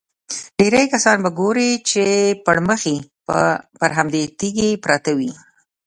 ډېری کسان به ګورې چې پړمخې پر همدې تیږې پراته وي.